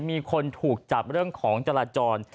มีคนถูกจับเรื่องของจราจร